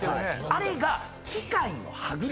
あれが機械の歯車。